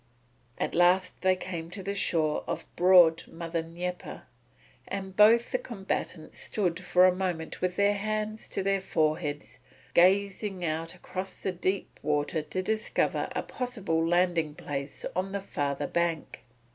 At last they came to the shore of broad Mother Dnieper, and both the combatants stood for a moment with their hands to their foreheads gazing out across the deep water to discover a possible landing place on the farther bank.